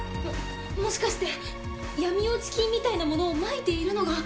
もしかして闇落ち菌みたいなものをまいているのが。